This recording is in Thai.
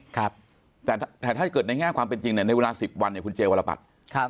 ครับแต่ถ้าเกิดในแง่ความเป็นจริงเนี่ยในเวลา๑๐วันเนี่ยคุณเจวรบัตร